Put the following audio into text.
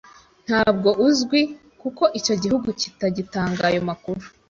ntabwo uzwi kuko icyo gihugu kitagitanga ayo makuru